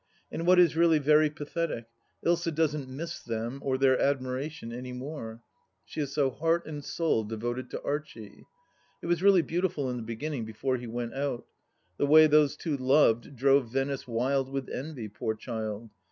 And what is really very pathetic, Ilsa doesn't miss them or their admiration any more. She is so heart and soul devoted to Archie. It was really beautiful in the beginning before he went out. The way those two loved drove Venice wild with envy, poor child